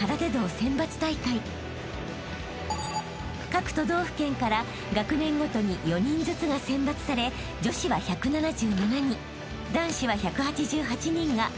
［各都道府県から学年ごとに４人ずつが選抜され女子は１７７人男子は１８８人が覇を競います］